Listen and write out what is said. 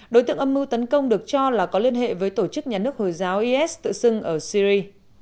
đối tượng âm mưu tấn công được cho là có liên hệ với tổ chức nhà nước hồi giáo is tự xưng ở syri